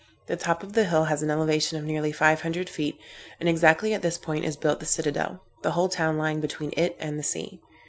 The top of the hill has an elevation of nearly five hundred feet, and exactly at this point is built the citadel; the whole town lying between it and the sea.